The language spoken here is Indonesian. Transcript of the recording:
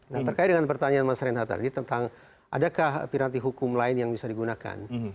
nah terkait dengan pertanyaan mas reinhardt tadi tentang adakah piranti hukum lain yang bisa digunakan